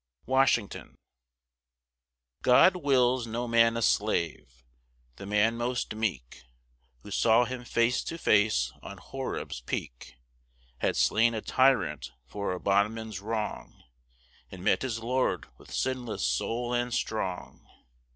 WASHINGTON God wills no man a slave. The man most meek, Who saw Him face to face on Horeb's peak, Had slain a tyrant for a bondman's wrong, And met his Lord with sinless soul and strong.